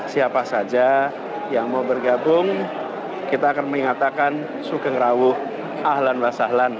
siapa saja yang mau bergabung kita akan mengingatkan sukengrawuh ahlan wasahlan